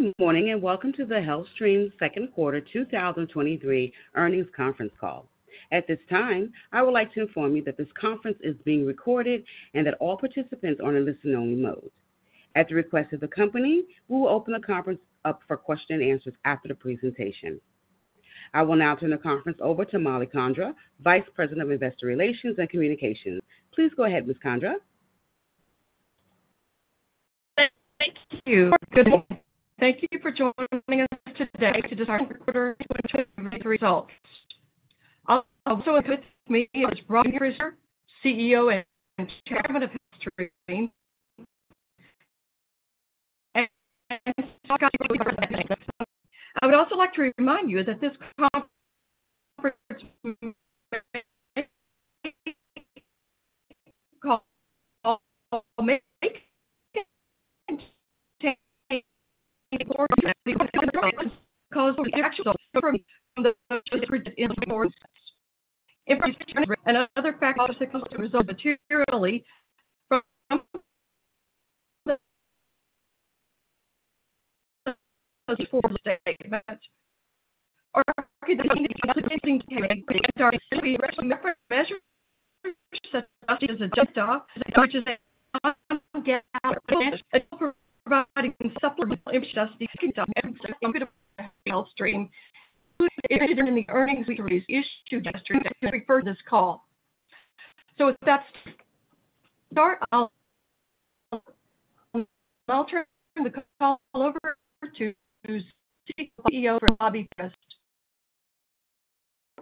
Good morning, welcome to the HealthStream's Q2, two thousand and twenty-three earnings conference call. At this time, I would like to inform you that this conference is being recorded and that all participants are in a listen-only mode. At the request of the company, we will open the conference up for question and answers after the presentation. I will now turn the conference over to Mollie Condra, Vice President of Investor Relations and Communications. Please go ahead, Ms. Condra. Thank you. Good morning. Thank you for joining us today to discuss our quarter 23 results. Also with me is Bobby Frist, CEO and Chairman of HealthStream. I would also like to remind you that other factors close to result materially from the adjusted as a doc, which is a non-GAAP, providing supplemental image to the conduct of HealthStream in the earnings release issued yesterday to refer this call. With that, I'll start. I'll turn the call over to CEO, Bobby Frist.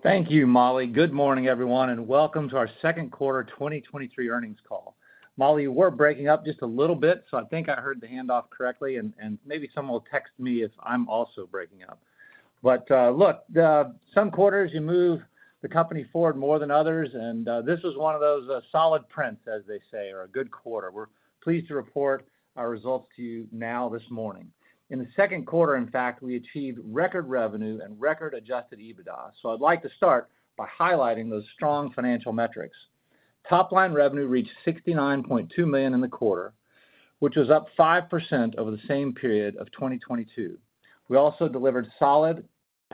Thank you, Mollie. Good morning, everyone, welcome to our Q2 2023 earnings call. Mollie, you were breaking up just a little bit, I think I heard the handoff correctly, and maybe someone will text me if I'm also breaking up. Look, some quarters you move the company forward more than others, and this was one of those solid prints, as they say, or a good quarter. We're pleased to report our results to you now this morning. In the Q2, in fact, we achieved record revenue and record adjusted EBITDA. I'd like to start by highlighting those strong financial metrics. Top line revenue reached $69.2 million in the quarter, which was up 5% over the same period of 2022. We also delivered solid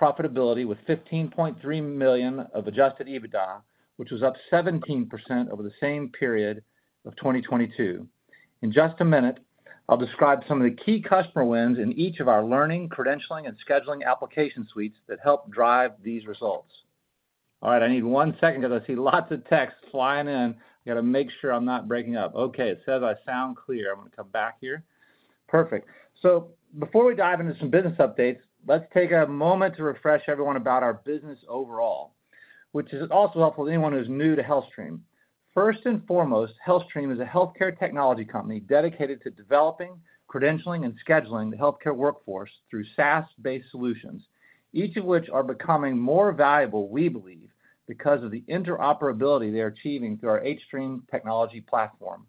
profitability with $15.3 million of adjusted EBITDA, which was up 17% over the same period of 2022. In just a minute, I'll describe some of the key customer wins in each of our ning, credentialing, and scheduling application suites that help drive these results. I need one second because I see lots of texts flying in. I got to make sure I'm not breaking up. Okay, it says I sound clear. I'm going to come back here. Perfect. Before we dive into some business updates, let's take a moment to refresh everyone about our business overall, which is also helpful to anyone who's new to HealthStream. First and foremost, HealthStream is a healthcare technology company dedicated to developing, credentialing, and scheduling the healthcare workforce through SaaS-based solutions, each of which are becoming more valuable, we believe, because of the interoperability they are achieving through our H-Stream technology platform.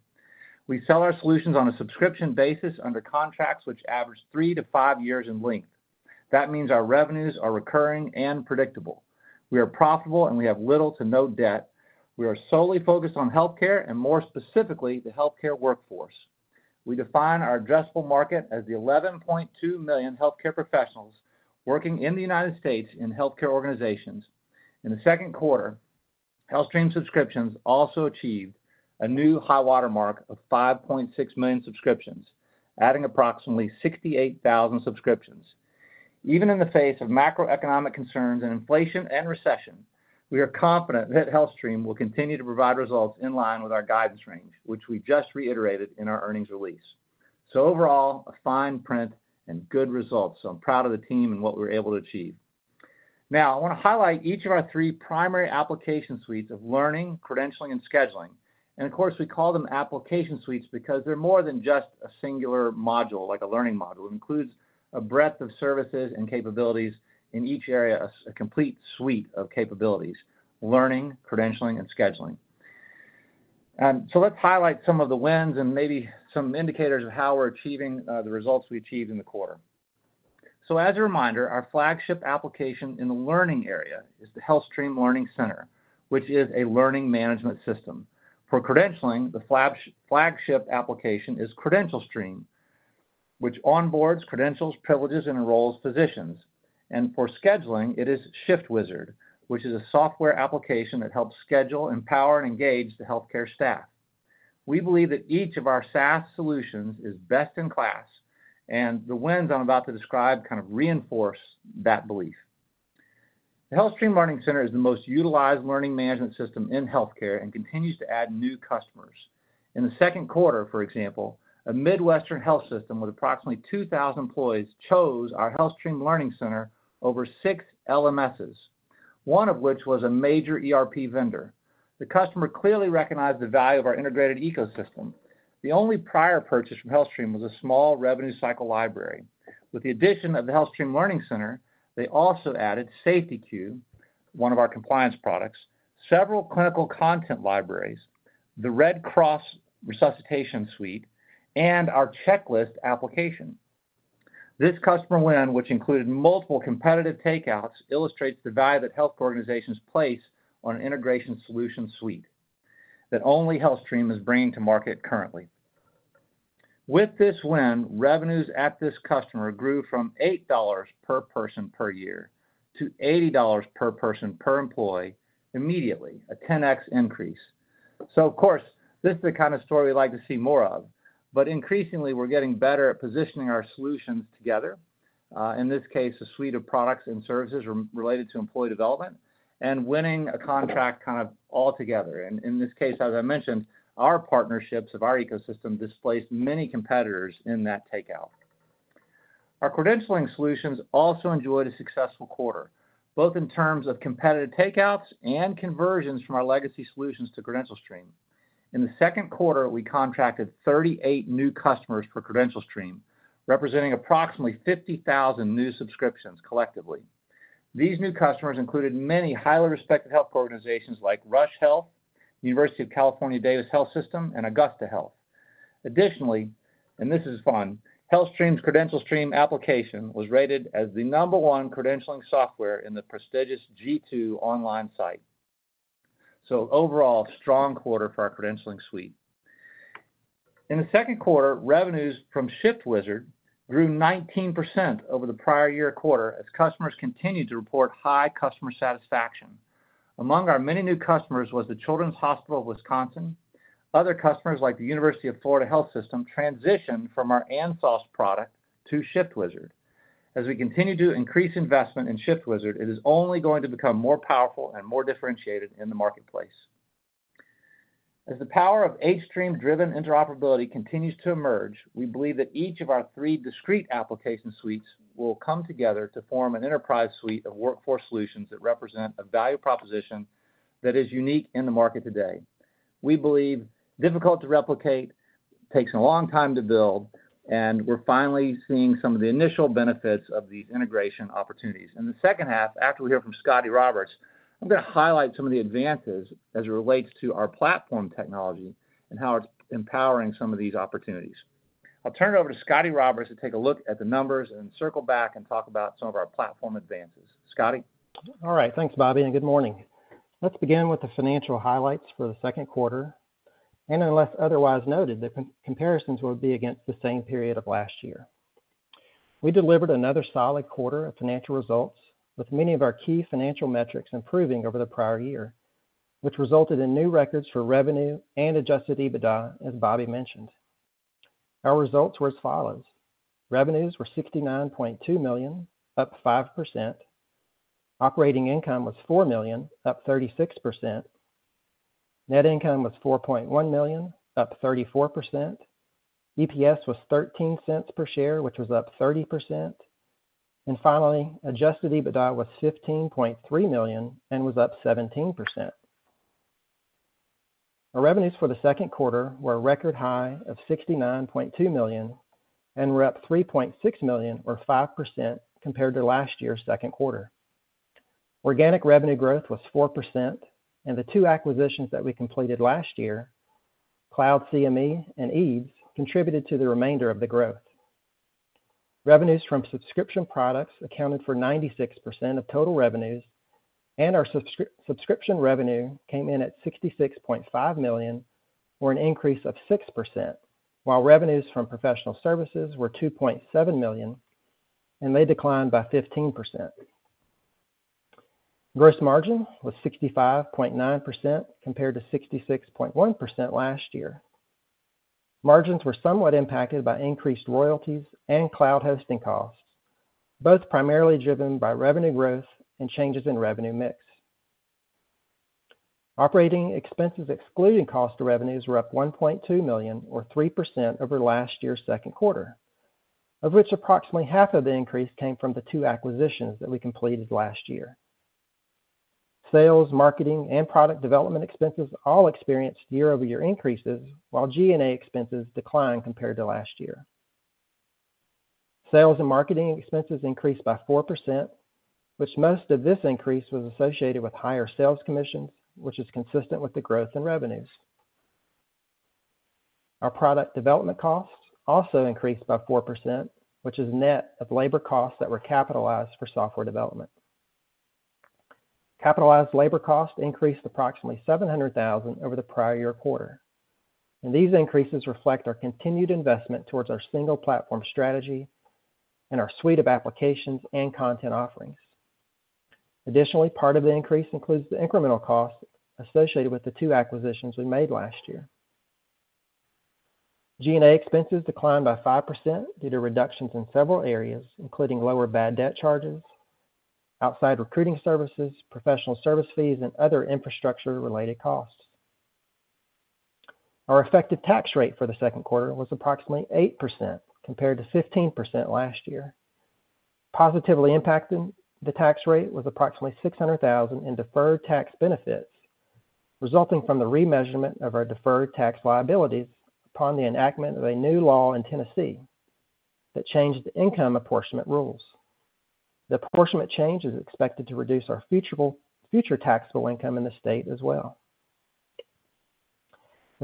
We sell our solutions on a subscription basis under contracts which average 3 to 5 years in length. That means our revenues are recurring and predictable. We are profitable, and we have little to no debt. We are solely focused on healthcare and more specifically, the healthcare workforce. We define our addressable market as the 11.2 million healthcare professionals working in the United States in healthcare organizations. In the Q2, HealthStream subscriptions also achieved a new high water mark of 5.6 million subscriptions, adding approximately 68,000 subscriptions. Even in the face of macroeconomic concerns and inflation and recession, we are confident that HealthStream will continue to provide results in line with our guidance range, which we just reiterated in our earnings release. Overall, a fine print and good results. I'm proud of the team and what we're able to achieve. Now, I want to highlight each of our three primary application suites of learning, credentialing, and scheduling. Of course, we call them application suites because they're more than just a singular module, like a learning module. It includes a breadth of services and capabilities in each area, a complete suite of capabilities, learning, credentialing, and scheduling. Let's highlight some of the wins and maybe some indicators of how we're achieving the results we achieved in the quarter. As a reminder, our flagship application in the learning area is the HealthStream Learning Center, which is a learning management system. For credentialing, the flagship application is CredentialStream, which onboards credentials, privileges, and enrolls physicians. For scheduling, it is ShiftWizard, which is a software application that helps schedule, empower, and engage the healthcare staff. We believe that each of our SaaS solutions is best in class, and the wins I'm about to describe kind of reinforce that belief. The HealthStream Learning Center is the most utilized learning management system in healthcare and continues to add new customers. In the Q2, for example, a Midwestern health system with approximately 2,000 employees chose our HealthStream Learning Center over 6 LMSs, one of which was a major ERP vendor. The customer clearly recognized the value of our integrated ecosystem. The only prior purchase from HealthStream was a small revenue cycle library. With the addition of the HealthStream Learning Center, they also added SafetyQ, one of our compliance products, several clinical content libraries, the Red Cross Resuscitation Suite, and our checklist application. This customer win, which included multiple competitive takeouts, illustrates the value that health organizations place on an integration solution suite.... that only HealthStream is bringing to market currently. With this win, revenues at this customer grew from $8 per person per year to $80 per person per employee immediately, a 10x increase. Of course, this is the kind of story we like to see more of, but increasingly, we're getting better at positioning our solutions together, in this case, a suite of products and services related to employee development and winning a contract kind of altogether. In this case, as I mentioned, our partnerships of our ecosystem displaced many competitors in that takeout. Our credentialing solutions also enjoyed a successful quarter, both in terms of competitive takeouts and conversions from our legacy solutions to Credential Stream. In the Q2, we contracted 38 new customers for Credential Stream, representing approximately 50,000 new subscriptions collectively. These new customers included many highly respected health organizations like Rush Health, University of California Davis Health System, and Augusta Health. Additionally, and this is fun, HealthStream's Credential Stream application was rated as the number 1 credentialing software in the prestigious G2 online site. Overall, strong quarter for our credentialing suite. In the Q2, revenues from ShiftWizard grew 19% over the prior year quarter as customers continued to report high customer satisfaction. Among our many new customers was the Children's Hospital of Wisconsin. Other customers, like the University of Florida Health System, transitioned from our AndSauce product to ShiftWizard. As we continue to increase investment in ShiftWizard, it is only going to become more powerful and more differentiated in the marketplace. As the power of hStream-driven interoperability continues to emerge, we believe that each of our three discrete application suites will come together to form an enterprise suite of workforce solutions that represent a value proposition that is unique in the market today. We believe difficult to replicate, takes a long time to build, and we're finally seeing some of the initial benefits of these integration opportunities. In the second half, after we hear from Scotty Roberts, I'm going to highlight some of the advances as it relates to our platform technology and how it's empowering some of these opportunities. I'll turn it over to Scotty Roberts to take a look at the numbers and circle back and talk about some of our platform advances. Scotty? All right, thanks, Bobby. Good morning. Let's begin with the financial highlights for the Q2. Unless otherwise noted, the comparisons will be against the same period of last year. We delivered another solid quarter of financial results, with many of our key financial metrics improving over the prior year, which resulted in new records for revenue and adjusted EBITDA, as Bobby mentioned. Our results were as follows: revenues were $69.2 million, up 5%. Operating income was $4 million, up 36%. Net income was $4.1 million, up 34%. EPS was $0.13 per share, which was up 30%. Finally, adjusted EBITDA was $15.3 million and was up 17%. Our revenues for the Q2 were a record high of $69.2 million and were up $3.6 million, or 5%, compared to last year's Q2. Organic revenue growth was 4%. The two acquisitions that we completed last year, Cloud CME and EADS, contributed to the remainder of the growth. Revenues from subscription products accounted for 96% of total revenues. Our subscription revenue came in at $66.5 million, or an increase of 6%, while revenues from professional services were $2.7 million, and they declined by 15%. Gross margin was 65.9%, compared to 66.1% last year. Margins were somewhat impacted by increased royalties and cloud hosting costs, both primarily driven by revenue growth and changes in revenue mix. Operating expenses, excluding cost of revenues, were up $1.2 million, or 3%, over last year's Q2, of which approximately half of the increase came from the two acquisitions that we completed last year. Sales, marketing, and product development expenses all experienced year-over-year increases, while G&A expenses declined compared to last year. Sales and marketing expenses increased by 4%, which most of this increase was associated with higher sales commissions, which is consistent with the growth in revenues. Our product development costs also increased by 4%, which is net of labor costs that were capitalized for software development. Capitalized labor costs increased approximately $700,000 over the prior year quarter. These increases reflect our continued investment towards our single platform strategy and our suite of applications and content offerings. Additionally, part of the increase includes the incremental costs associated with the two acquisitions we made last year. G&A expenses declined by 5% due to reductions in several areas, including lower bad debt charges, outside recruiting services, professional service fees, and other infrastructure-related costs. Our effective tax rate for the Q2 was approximately 8%, compared to 15% last year. Positively impacting the tax rate was approximately $600,000 in deferred tax benefits, resulting from the re-measurement of our deferred tax liabilities upon the enactment of a new law in Tennessee that changed the income apportionment rules. The apportionment change is expected to reduce our future taxable income in the state as well.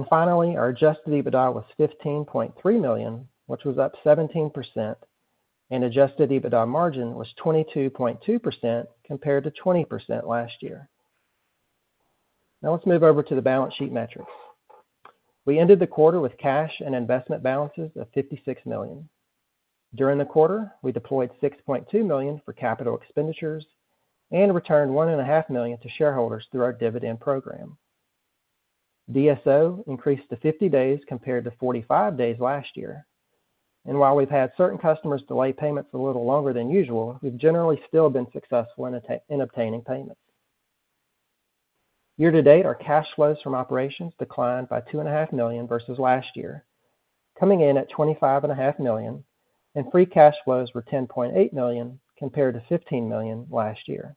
Finally, our adjusted EBITDA was $15.3 million, which was up 17%, and adjusted EBITDA margin was 22.2% compared to 20% last year. Let's move over to the balance sheet metrics. We ended the quarter with cash and investment balances of $56 million. During the quarter, we deployed $6.2 million for capital expenditures and returned one and a half million to shareholders through our dividend program. DSO increased to 50 days compared to 45 days last year. While we've had certain customers delay payments a little longer than usual, we've generally still been successful in obtaining payments. Year to date, our cash flows from operations declined by two and a half million versus last year, coming in at twenty-five and a half million, and free cash flows were $10.8 million compared to $15 million last year.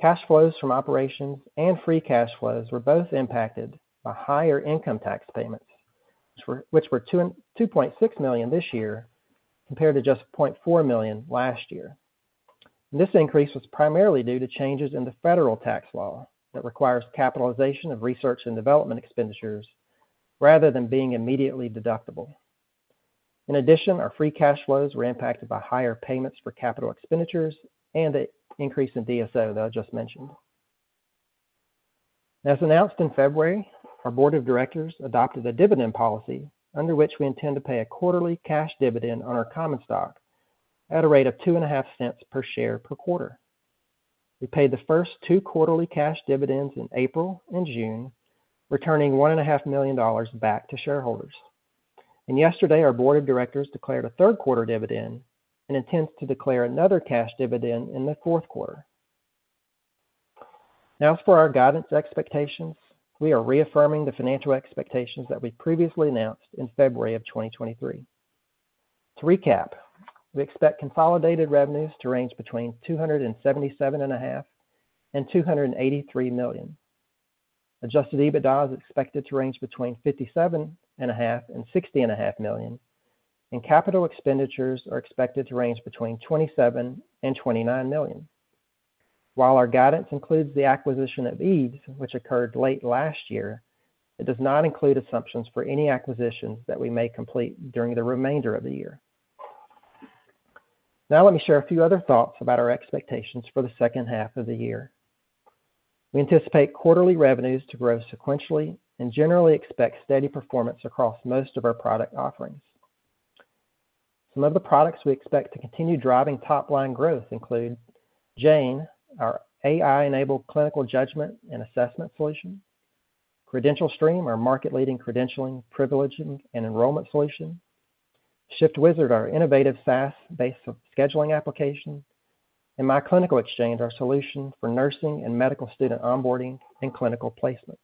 Cash flows from operations and free cash flows were both impacted by higher income tax payments, which were $2.6 million this year compared to just $0.4 million last year. This increase was primarily due to changes in the federal tax law that requires capitalization of research and development expenditures rather than being immediately deductible. Our free cash flows were impacted by higher payments for capital expenditures and an increase in DSO that I just mentioned. As announced in February, our board of directors adopted a dividend policy under which we intend to pay a quarterly cash dividend on our common stock at a rate of $0.025 per share per quarter. We paid the first two quarterly cash dividends in April and June, returning one and a half million dollars back to shareholders. Yesterday, our board of directors declared a Q3 dividend and intends to declare another cash dividend in the Q4. As for our guidance expectations, we are reaffirming the financial expectations that we previously announced in February 2023. To recap, we expect consolidated revenues to range between two hundred and seventy-seven and a half million and $283 million. Adjusted EBITDA is expected to range between fifty-seven and a half million and sixty and a half million, and capital expenditures are expected to range between $27 million and $29 million. While our guidance includes the acquisition of EADS, which occurred late last year, it does not include assumptions for any acquisitions that we may complete during the remainder of the year. Let me share a few other thoughts about our expectations for the second half of the year. We anticipate quarterly revenues to grow sequentially and generally expect steady performance across most of our product offerings. Some of the products we expect to continue driving top-line growth include Jane, our AI-enabled clinical judgment and assessment solution; Credential Stream, our market-leading credentialing, privileging, and enrollment solution; ShiftWizard, our innovative SaaS-based scheduling application; and My Clinical Exchange, our solution for nursing and medical student onboarding and clinical placement.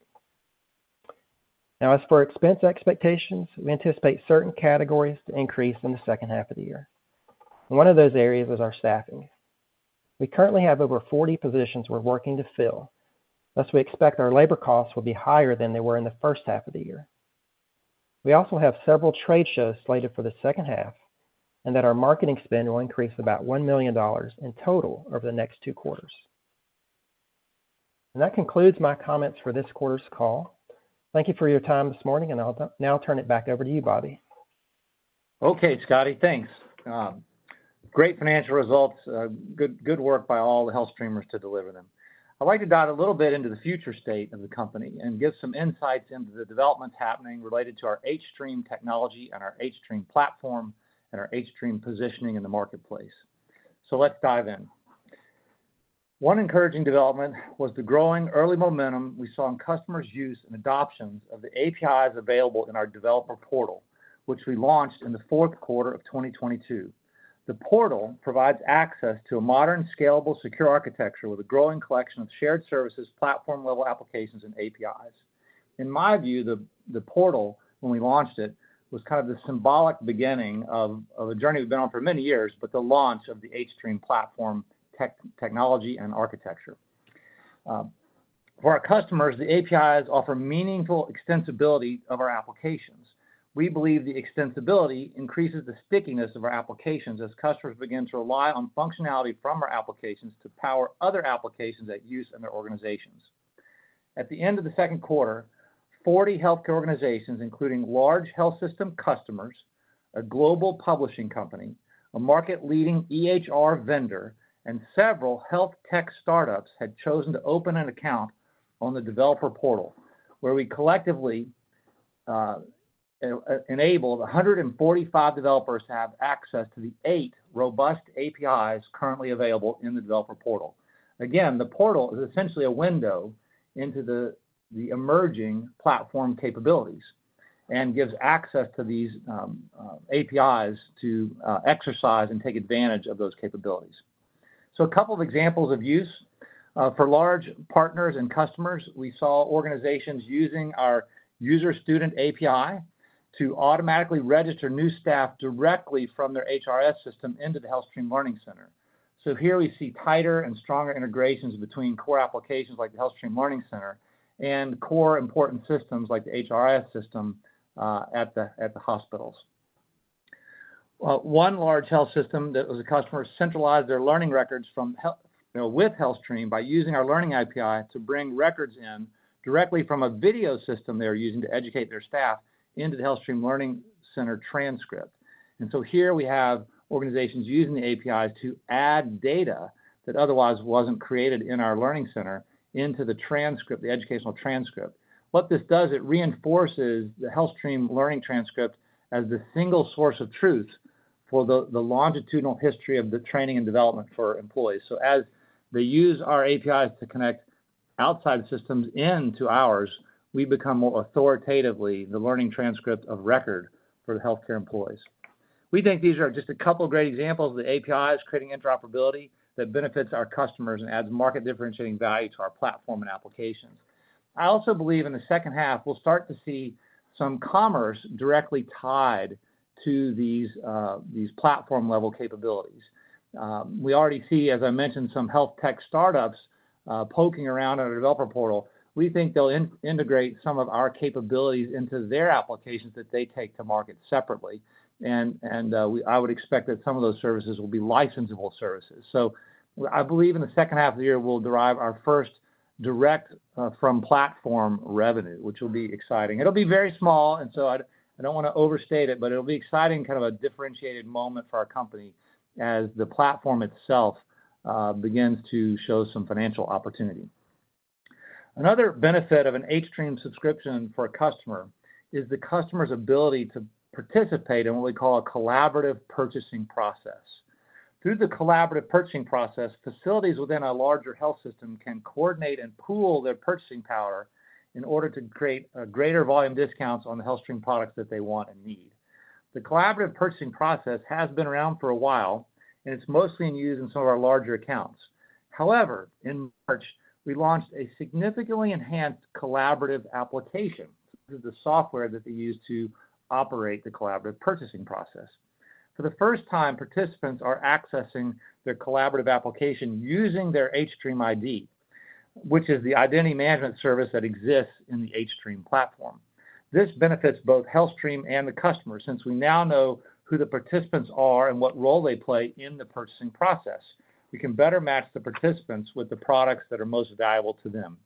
As for expense expectations, we anticipate certain categories to increase in the second half of the year. One of those areas is our staffing. We currently have over 40 positions we're working to fill, thus we expect our labor costs will be higher than they were in the first half of the year. We also have several trade shows slated for the second half, and that our marketing spend will increase about $1 million in total over the next 2 quarters. That concludes my comments for this quarter's call. Thank you for your time this morning, and I'll now turn it back over to you, Bobby. Okay, Scotty. Thanks. Great financial results. Good work by all the HealthStreamers to deliver them. I'd like to dive a little bit into the future state of the company and give some insights into the developments happening related to our hStream technology and our hStream platform, and our hStream positioning in the marketplace. Let's dive in. One encouraging development was the growing early momentum we saw in customers' use and adoptions of the APIs available in our developer portal, which we launched in the 4th quarter of 2022. The portal provides access to a modern, scalable, secure architecture with a growing collection of shared services, platform-level applications, and APIs. In my view, the portal, when we launched it, was kind of the symbolic beginning of a journey we've been on for many years, but the launch of the HealthStream platform, technology, and architecture. For our customers, the APIs offer meaningful extensibility of our applications. We believe the extensibility increases the stickiness of our applications as customers begin to rely on functionality from our applications to power other applications that use in their organizations. At the end of the Q2, 40 healthcare organizations, including large health system customers, a global publishing company, a market-leading EHR vendor, and several health tech startups, had chosen to open an account on the developer portal, where we collectively enabled 145 developers to have access to the 8 robust APIs currently available in the developer portal. The portal is essentially a window into the emerging platform capabilities and gives access to these APIs to exercise and take advantage of those capabilities. A couple of examples of use. For large partners and customers, we saw organizations using our user student API to automatically register new staff directly from their HRS system into the HealthStream Learning Center. Here we see tighter and stronger integrations between core applications like the HealthStream Learning Center and core important systems like the HRS system at the hospitals. Well, one large health system that was a customer centralized their learning records from health, you know, with HealthStream by using our learning API to bring records in directly from a video system they were using to educate their staff into the HealthStream Learning Center transcript. Here we have organizations using the API to add data that otherwise wasn't created in our learning center into the transcript, the educational transcript. What this does, it reinforces the HealthStream learning transcript as the single source of truth for the longitudinal history of the training and development for employees. As they use our APIs to connect outside systems into ours, we become more authoritatively the learning transcript of record for the healthcare employees. We think these are just a couple of great examples of the APIs creating interoperability that benefits our customers and adds market differentiating value to our platform and applications. I also believe in the second half, we'll start to see some commerce directly tied to these platform-level capabilities. We already see, as I mentioned, some health tech startups poking around on our developer portal. We think they'll integrate some of our capabilities into their applications that they take to market separately. I would expect that some of those services will be licensable services. I believe in the second half of the year, we'll derive our first direct from-platform revenue, which will be exciting. It'll be very small, I don't wanna overstate it, but it'll be exciting, kind of a differentiated moment for our company as the platform itself begins to show some financial opportunity. Another benefit of an hStream subscription for a customer, is the customer's ability to participate in what we call a collaborative purchasing process. Through the collaborative purchasing process, facilities within a larger health system can coordinate and pool their purchasing power in order to create greater volume discounts on the HealthStream products that they want and need. The collaborative purchasing process has been around for a while, and it's mostly in use in some of our larger accounts. In March, we launched a significantly enhanced collaborative application through the software that we use to operate the collaborative purchasing process. For the first time, participants are accessing their collaborative application using their hStream ID, which is the identity management service that exists in the hStream platform. This benefits both HealthStream and the customer, since we now know who the participants are and what role they play in the purchasing process. We can better match the participants with the products that are most valuable to them.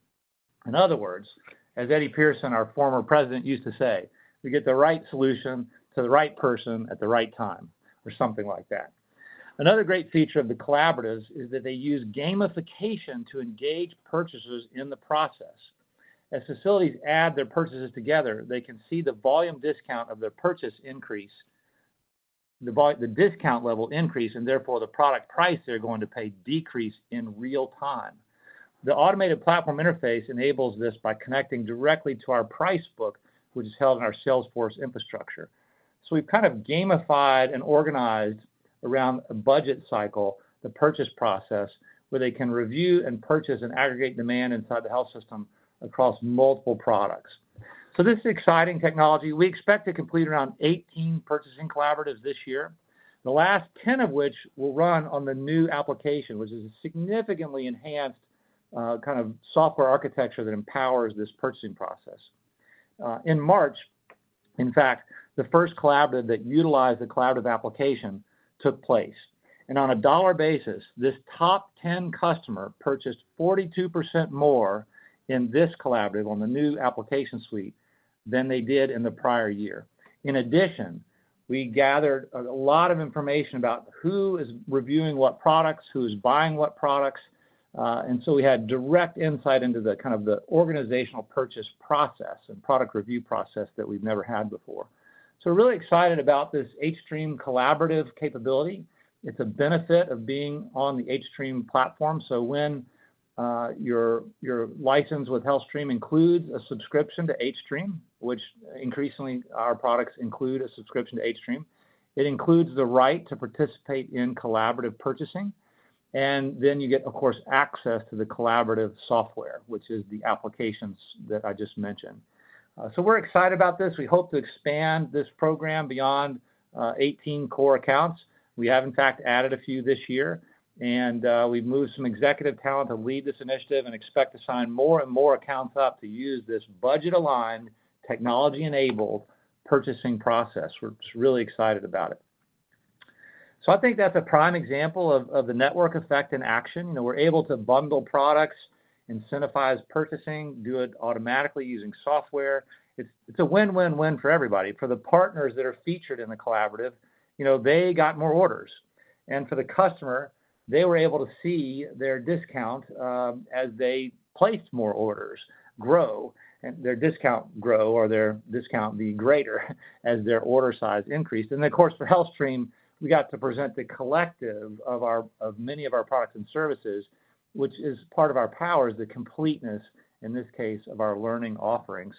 In other words, as Eddie Pearson, our former president, used to say, "We get the right solution to the right person at the right time," or something like that. Another great feature of the collaboratives is that they use gamification to engage purchasers in the process. As facilities add their purchases together, they can see the volume discount of their purchase increase, the discount level increase, and therefore, the product price they're going to pay decrease in real time. The automated platform interface enables this by connecting directly to our price book, which is held in our Salesforce infrastructure. We've kind of gamified and organized around a budget cycle, the purchase process, where they can review and purchase an aggregate demand inside the health system across multiple products. This is exciting technology. We expect to complete around 18 purchasing collaboratives this year, the last 10 of which will run on the new application, which is a significantly enhanced, kind of software architecture that empowers this purchasing process. In March, in fact, the first collaborative that utilized the collaborative application took place. On a dollar basis, this top 10 customer purchased 42% more in this collaborative on the new application suite than they did in the prior year. In addition, we gathered a lot of information about who is reviewing what products, who's buying what products, and so we had direct insight into the kind of the organizational purchase process and product review process that we've never had before. We're really excited about this HStream collaborative capability. It's a benefit of being on the HStream platform. When your license with HealthStream includes a subscription to hStream, which increasingly our products include a subscription to hStream, it includes the right to participate in collaborative purchasing, you get, of course, access to the collaborative software, which is the applications that I just mentioned. We're excited about this. We hope to expand this program beyond 18 core accounts. We have, in fact, added a few this year, we've moved some executive talent to lead this initiative and expect to sign more and more accounts up to use this budget-aligned, technology-enabled purchasing process. We're just really excited about it. I think that's a prime example of the network effect in action. You know, we're able to bundle products, incentivize purchasing, do it automatically using software. It's, it's a win-win-win for everybody. For the partners that are featured in the collaborative, you know, they got more orders. For the customer, they were able to see their discount, as they placed more orders, grow, and their discount grow, or their discount be greater as their order size increased. Of course, for HealthStream, we got to present the collective of many of our products and services, which is part of our power, is the completeness, in this case, of our learning offerings.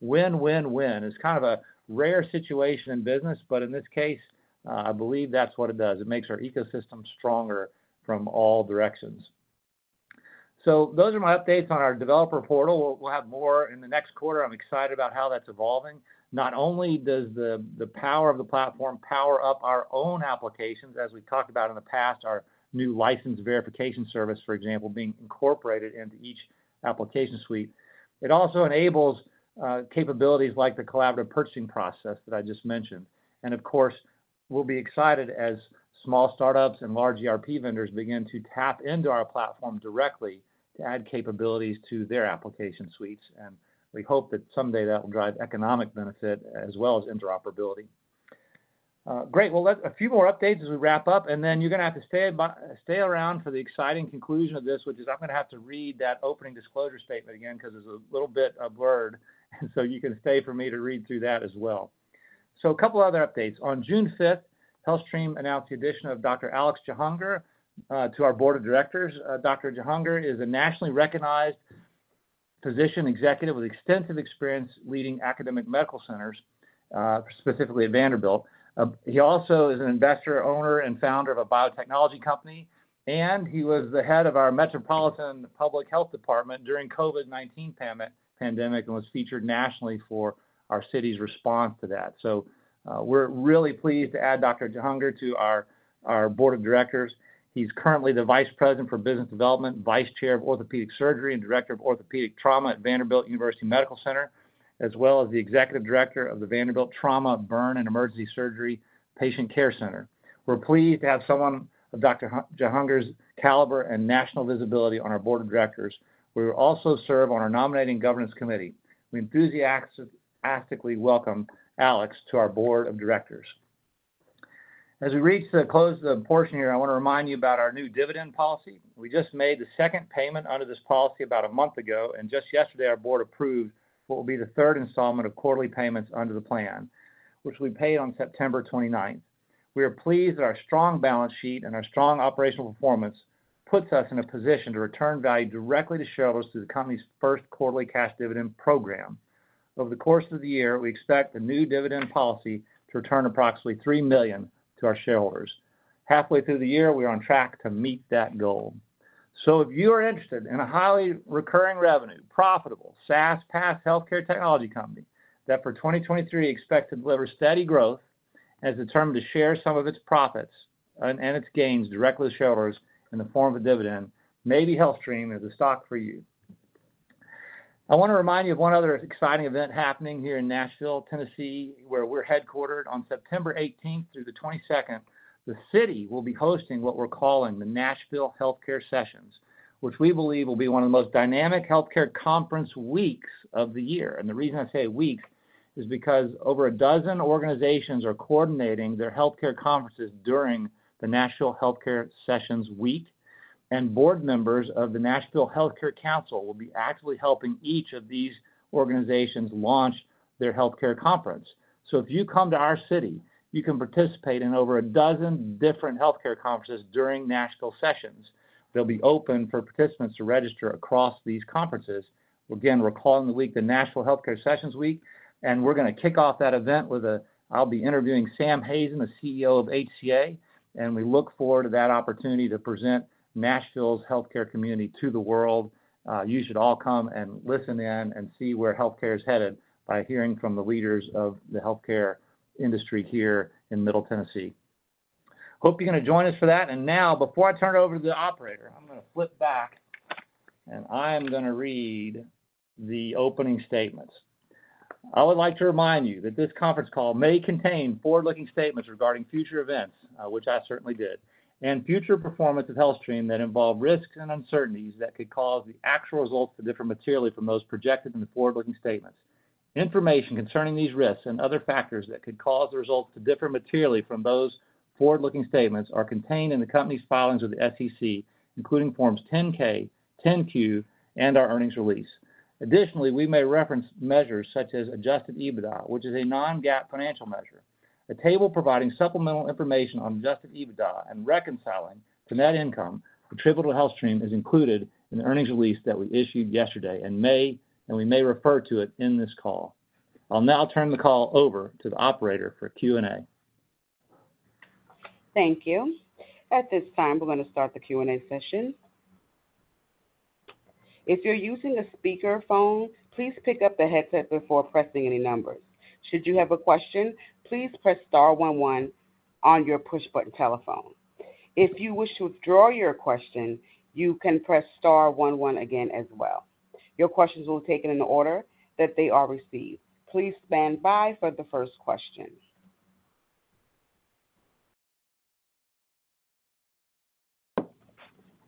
Win, win. It's kind of a rare situation in business, but in this case, I believe that's what it does. It makes our ecosystem stronger from all directions. Those are my updates on our developer portal. We'll have more in the next quarter. I'm excited about how that's evolving. Not only does the power of the platform power up our own applications, as we've talked about in the past, our new license verification service, for example, being incorporated into each application suite, it also enables capabilities like the collaborative purchasing process that I just mentioned. Of course, we'll be excited as small startups and large ERP vendors begin to tap into our platform directly to add capabilities to their application suites, and we hope that someday that will drive economic benefit as well as interoperability. Great. Well, a few more updates as we wrap up, and then you're gonna have to stay around for the exciting conclusion of this, which is I'm gonna have to read that opening disclosure statement again because it's a little bit blurred. You can stay for me to read through that as well. A couple other updates. On June fifth, HealthStream announced the addition of Dr. Alex Jahangir to our board of directors. Dr. Jahangir is a nationally recognized physician executive with extensive experience leading academic medical centers, specifically at Vanderbilt. He also is an investor, owner, and founder of a biotechnology company, and he was the head of our Metropolitan Public Health Department during COVID-19 pandemic, and was featured nationally for our city's response to that. We're really pleased to add Dr. Jahangir to our board of directors. He's currently the vice president for business development, vice chair of orthopedic surgery, and director of orthopedic trauma at Vanderbilt University Medical Center, as well as the executive director of the Vanderbilt Trauma, Burn, and Emergency Surgery Patient Care Center. We're pleased to have someone of Dr. Jahangir's caliber and national visibility on our board of directors, where he'll also serve on our nominating governance committee. We enthusiastically welcome Alex to our board of directors. As we reach the close of the portion here, I wanna remind you about our new dividend policy. We just made the second payment under this policy about a month ago, and just yesterday, our board approved what will be the third installment of quarterly payments under the plan, which we pay on September 29th. We are pleased that our strong balance sheet and our strong operational performance puts us in a position to return value directly to shareholders through the company's Q1ly cash dividend program. Over the course of the year, we expect the new dividend policy to return approximately $3 million to our shareholders. Halfway through the year, we're on track to meet that goal. If you are interested in a highly recurring revenue, profitable, SaaS, PaaS, healthcare technology company, that for 2023, expects to deliver steady growth and is determined to share some of its profits and its gains directly with shareholders in the form of a dividend, maybe HealthStream is the stock for you. I wanna remind you of one other exciting event happening here in Nashville, Tennessee, where we're headquartered. On September 18th through the 22nd, the city will be hosting what we're calling the Nashville Healthcare Sessions, which we believe will be one of the most dynamic healthcare conference weeks of the year. The reason I say week, is because over 12 organizations are coordinating their healthcare conferences during the Nashville Healthcare Sessions week, and board members of the Nashville Healthcare Council will be actively helping each of these organizations launch their healthcare conference. If you come to our city, you can participate in over a dozen different healthcare conferences during Nashville Sessions. They'll be open for participants to register across these conferences. Again, we're calling the week the Nashville Healthcare Sessions week, and we're gonna kick off that event with I'll be interviewing Sam Hazen, the CEO of HCA, and we look forward to that opportunity to present Nashville's healthcare community to the world. You should all come and listen in and see where healthcare is headed by hearing from the leaders of the healthcare industry here in Middle Tennessee. Hope you're gonna join us for that. Now, before I turn it over to the operator, I'm gonna flip back, and I am gonna read the opening statements. I would like to remind you that this conference call may contain forward-looking statements regarding future events, which I certainly did, and future performance of HealthStream that involve risks and uncertainties that could cause the actual results to differ materially from those projected in the forward-looking statements. Information concerning these risks and other factors that could cause the results to differ materially from those forward-looking statements are contained in the company's filings with the SEC, including Forms 10-K, 10-Q, and our earnings release. Additionally, we may reference measures such as adjusted EBITDA, which is a non-GAAP financial measure. A table providing supplemental information on adjusted EBITDA and reconciling to net income, attributable to HealthStream, is included in the earnings release that we issued yesterday and we may refer to it in this call. I'll now turn the call over to the operator for Q&A. Thank you. At this time, we're going to start the Q&A session. If you're using a speakerphone, please pick up the headset before pressing any numbers. Should you have a question, please press star one one on your push-button telephone. If you wish to withdraw your question, you can press star one one again as well. Your questions will be taken in the order that they are received. Please stand by for the first question.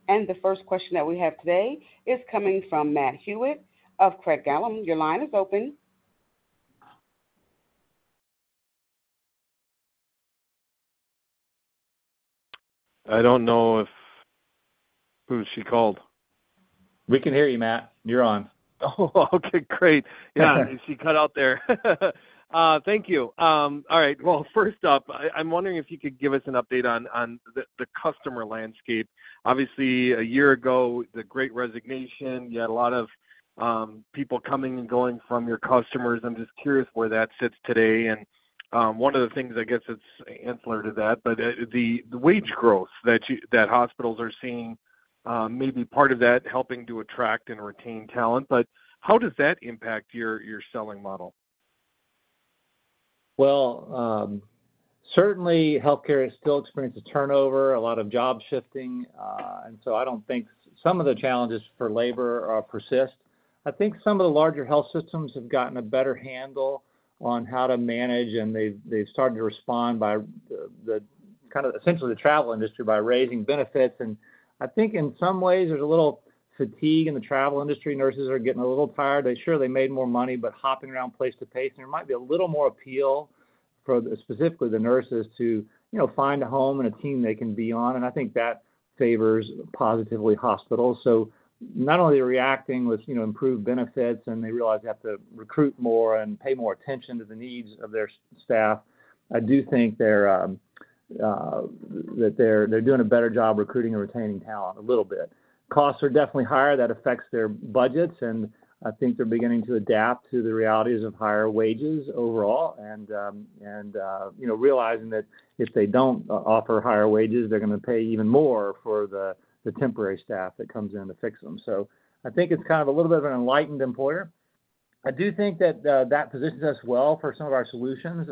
The first question that we have today is coming from Matt Hewitt of Craig-Hallum. Your line is open. I don't know who she called? We can hear you, Matt. You're on. Okay, great. Yeah, she cut out there. Thank you. All right. Well, first up, I'm wondering if you could give us an update on the customer landscape. Obviously, a year ago, the great resignation, you had a lot of people coming and going from your customers. I'm just curious where that sits today. One of the things, I guess, that's ancillary to that, but the wage growth that hospitals are seeing may be part of that, helping to attract and retain talent, but how does that impact your selling model? Well certainly, healthcare is still experiencing turnover, a lot of job shifting, I don't think some of the challenges for labor persist. I think some of the larger health systems have gotten a better handle on how to manage, and they've started to respond by the kind of, essentially, the travel industry by raising benefits. I think in some ways, there's a little fatigue in the travel industry. Nurses are getting a little tired. They sure they made more money, but hopping around place to place, and there might be a little more appeal for specifically the nurses to, you know, find a home and a team they can be on, and I think that favors positively hospitals. Not only are they reacting with, you know, improved benefits, and they realize they have to recruit more and pay more attention to the needs of their staff, I do think they're doing a better job recruiting and retaining talent a little bit. Costs are definitely higher. That affects their budgets, and I think they're beginning to adapt to the realities of higher wages overall. You know, realizing that if they don't offer higher wages, they're gonna pay even more for the temporary staff that comes in to fix them. I think it's kind of a little bit of an enlightened employer. I do think that positions us well for some of our solutions.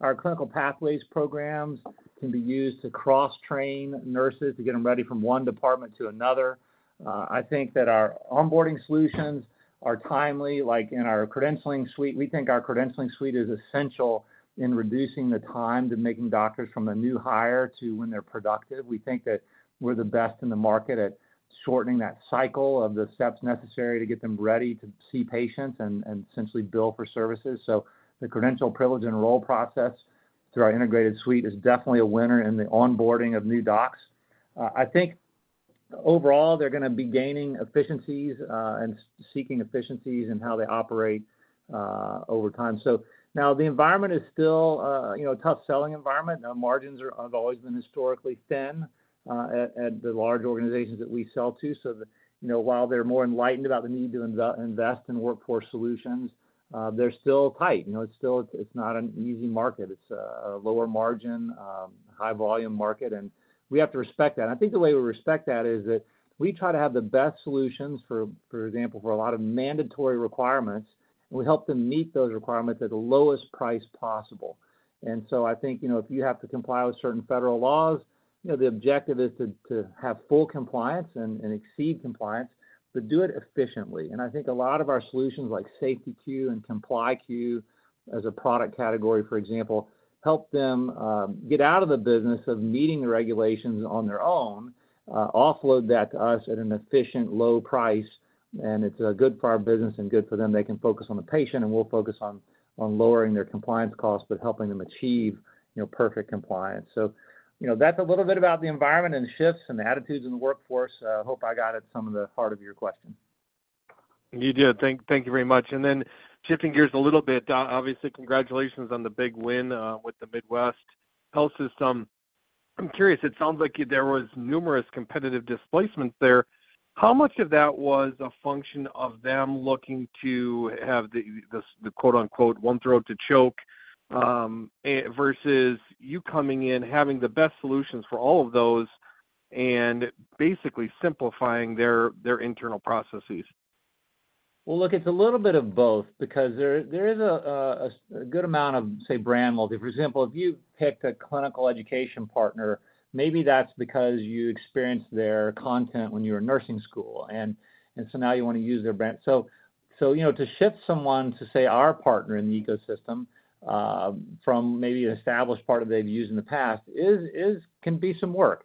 Our clinical pathways programs can be used to cross-train nurses to get them ready from one department to another. I think that our onboarding solutions are timely, like in our credentialing suite. We think our credentialing suite is essential in reducing the time to making doctors from a new hire to when they're productive. We think that we're the best in the market at shortening that cycle of the steps necessary to get them ready to see patients and essentially bill for services. The credential privilege enroll process through our integrated suite is definitely a winner in the onboarding of new docs. I think overall, they're gonna be gaining efficiencies, and seeking efficiencies in how they operate, over time. Now the environment is still, you know, a tough selling environment. Our margins have always been historically thin, at the large organizations that we sell to. The, you know, while they're more enlightened about the need to invest in workforce solutions, they're still tight. You know, it's still, it's not an easy market. It's a lower margin, high volume market, and we have to respect that. I think the way we respect that is that we try to have the best solutions, for example, for a lot of mandatory requirements, and we help them meet those requirements at the lowest price possible. I think, you know, if you have to comply with certain federal laws, you know, the objective is to have full compliance and exceed compliance, but do it efficiently. I think a lot of our solutions, like SafetyQ and ComplyQ, as a product category, for example, help them get out of the business of meeting the regulations on their own, offload that to us at an efficient, low price, and it's good for our business and good for them. They can focus on the patient, and we'll focus on lowering their compliance costs, but helping them achieve, you know, perfect compliance. You know, that's a little bit about the environment and shifts and the attitudes in the workforce. I hope I got at some of the heart of your question. You did. Thank you very much. Shifting gears a little bit, obviously, congratulations on the big win, with the Midwest Health System. I'm curious, it sounds like there was numerous competitive displacements there. How much of that was a function of them looking to have the, the quote-unquote, one throat to choke, versus you coming in, having the best solutions for all of those and basically simplifying their internal processes? Well, look, it's a little bit of both because there is a good amount of, say, brand loyalty. For example, if you picked a clinical education partner, maybe that's because you experienced their content when you were in nursing school, and so now you want to use their brand. You know, to shift someone to, say, our partner in the ecosystem, from maybe an established partner they've used in the past, is can be some work,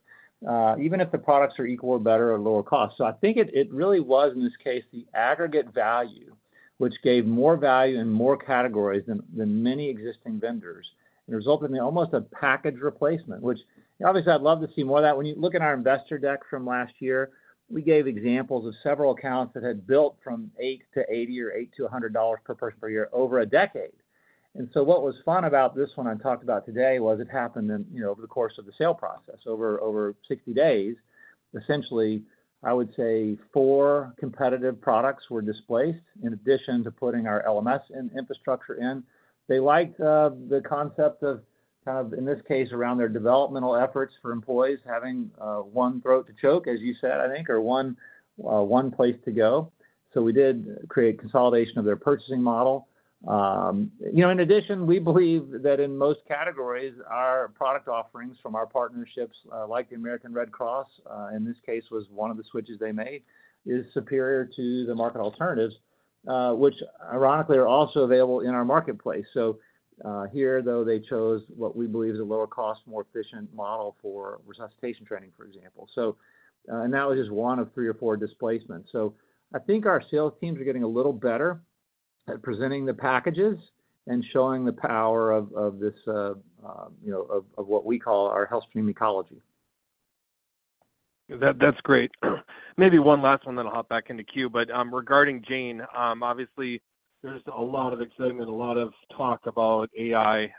even if the products are equal or better or lower cost. I think it really was, in this case, the aggregate value, which gave more value in more categories than many existing vendors, and it resulted in almost a package replacement, which, obviously, I'd love to see more of that. When you look at our investor deck from last year, we gave examples of several accounts that had built from 8 to $80 or 8 to $100 per person, per year, over a decade. What was fun about this one I talked about today was it happened in, you know, over the course of the sale process, over 60 days. Essentially, I would say four competitive products were displaced, in addition to putting our LMS infrastructure in. They liked the concept of, kind of, in this case, around their developmental efforts for employees having one throat to choke, as you said, I think, or one place to go. We did create consolidation of their purchasing model. You know, in addition, we believe that in most categories, our product offerings from our partnerships, like the American Red Cross, in this case, was one of the switches they made, is superior to the market alternatives, which ironically, are also available in our marketplace. Here, though, they chose what we believe is a lower cost, more efficient model for resuscitation training, for example. So that was just one of 3 or 4 displacements. So I think our sales teams are getting a little better at presenting the packages and showing the power of this, you know, of what we call our HealthStream ecology. That's great. Maybe one last one, then I'll hop back in the queue. Regarding Jane, obviously there's a lot of excitement, a lot of talk about AI,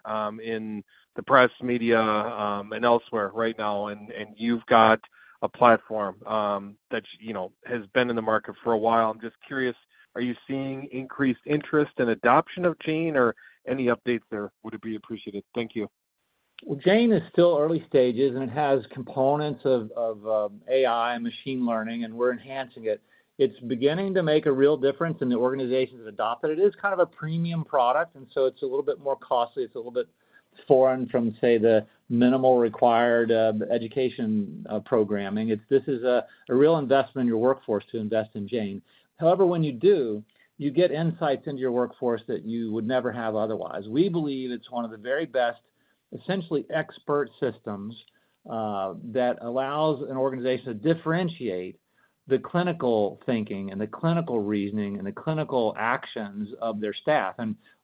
in the press, media, and elsewhere right now, and you've got a platform that, you know, has been in the market for a while. I'm just curious, are you seeing increased interest and adoption of Jane, or any updates there would it be appreciated? Thank you. Jane is still early stages, and it has components of AI and machine learning. We're enhancing it. It's beginning to make a real difference in the organizations that adopt it. It is kind of a premium product. It's a little bit more costly. It's a little bit foreign from, say, the minimal required education programming. This is a real investment in your workforce to invest in Jane. When you do, you get insights into your workforce that you would never have otherwise. We believe it's one of the very best, essentially expert systems that allows an organization to differentiate the clinical thinking and the clinical reasoning and the clinical actions of their staff.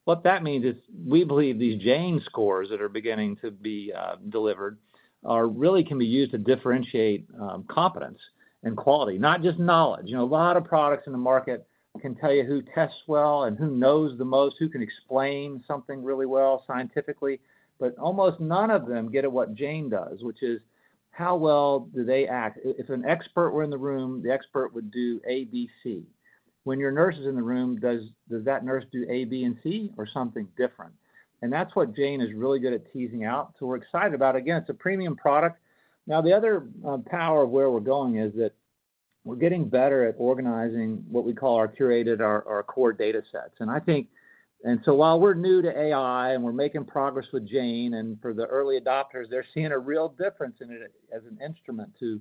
What that means is, we believe these Jane scores that are beginning to be delivered, are really can be used to differentiate competence and quality, not just knowledge. You know, a lot of products in the market can tell you who tests well and who knows the most, who can explain something really well scientifically, but almost none of them get at what Jane does, which is, how well do they act? If an expert were in the room, the expert would do A, B, C. When your nurse is in the room, does that nurse do A, B, and C, or something different? That's what Jane is really good at teasing out. We're excited about it. Again, it's a premium product. The other power of where we're going is that we're getting better at organizing what we call our curated, our core data sets. While we're new to AI, and we're making progress with Jane, and for the early adopters, they're seeing a real difference in it as an instrument to